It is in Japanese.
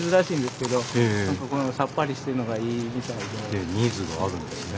今日ニーズがあるんですね。